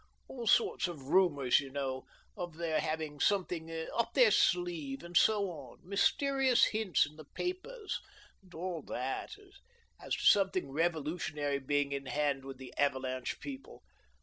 All sorts of rumours, you know, of their 164 THE DORRINGTON DEED BOX havinf^ something ' up their sleeve,' and so on ; mysterious hints in the papers, and all that, as to something revolutionary being in hand with the 'Avalanche' people.